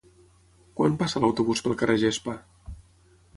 Quan passa l'autobús pel carrer Gespa?